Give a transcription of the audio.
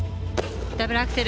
ダブルアクセル。